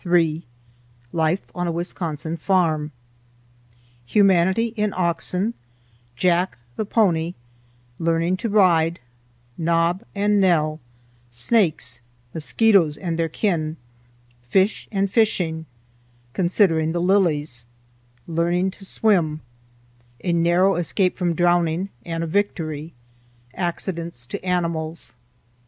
IIIToC LIFE ON A WISCONSIN FARM Humanity in Oxen—Jack, the Pony—Learning to Ride—Nob and Nell—Snakes—Mosquitoes and their Kin—Fish and Fishing—Considering the Lilies—Learning to Swim—A Narrow Escape from Drowning and a Victory—Accidents to Animals.